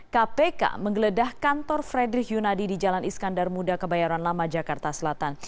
kpk menggeledah kantor frederick yunadi di jalan iskandar muda kebayoran lama jakarta selatan